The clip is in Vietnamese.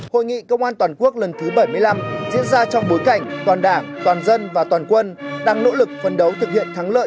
hội nghị công an toàn quốc lần thứ bảy mươi năm diễn ra trong bối cảnh toàn đảng toàn dân và toàn quân đang nỗ lực phấn đấu thực hiện thắng lợi